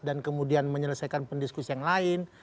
dan kemudian menyelesaikan pendiskusi yang lain